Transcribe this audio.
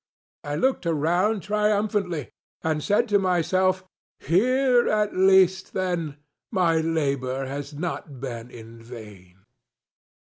I looked around triumphantly, and said to myself: ŌĆ£Here at least, then, my labor has not been in vain.